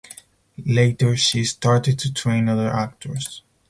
Later she started to train other actors.